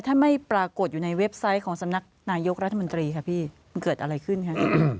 ถ้าไม่ปรากฏอยู่ในเว็บไซต์ของสำนักนายกรัฐมนตรีค่ะพี่มันเกิดอะไรขึ้นคะ